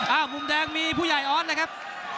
อ้าวมุมแรงมีผู้ใหญ่ออร์นนะครับ